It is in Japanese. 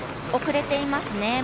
遅れていますね。